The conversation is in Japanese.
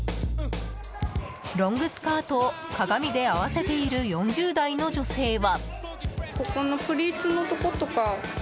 ロングスカートを鏡で合わせている４０代の女性は。